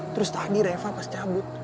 terus tadi reva pas cabut